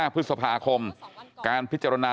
พฤษภาคมการพิจารณา